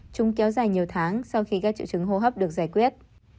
chúng kéo dài nhiều tháng sau khi các triệu chứng hô hấp được giải quyết